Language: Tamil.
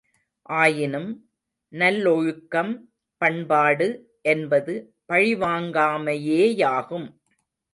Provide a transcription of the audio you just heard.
ஆயினும், நல்லொழுக்கம், பண்பாடு என்பது பழிவாங்காமையேயாகும்.